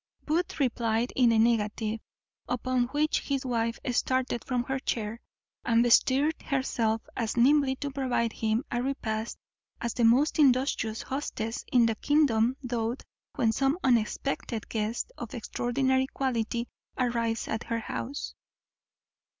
Booth replied in the negative; upon which his wife started from her chair, and bestirred herself as nimbly to provide him a repast as the most industrious hostess in the kingdom doth when some unexpected guest of extraordinary quality arrives at her house.